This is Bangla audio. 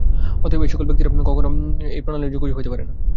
অতএব এই-সকল ব্যক্তির জন্য কখনও এই প্রণালী উপযোগী হইতে পারে না।